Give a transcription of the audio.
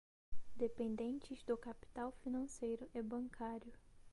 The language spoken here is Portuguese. dependentes do capital financeiro e bancário